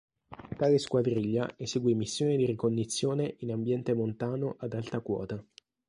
Tale squadriglia eseguì missioni di ricognizione in ambiente montano ad alta quota.